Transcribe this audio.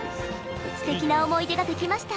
すてきな思い出ができました。